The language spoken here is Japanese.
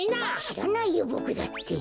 しらないよボクだって。